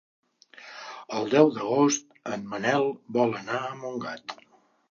El deu d'agost en Manel vol anar a Montgat.